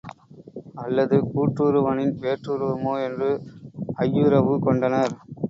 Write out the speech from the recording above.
அல்லது கூற்றுவனின் வேற்றுருவமோ? என்று ஐயுறவு கொண்டனர்.